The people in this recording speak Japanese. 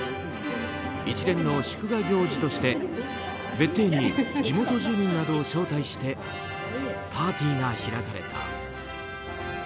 一連の祝賀行事として別邸に地元住民などを招待してパーティーが開かれた。